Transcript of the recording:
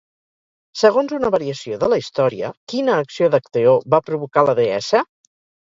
Segons una variació de la història, quina acció d'Acteó va provocar la deessa?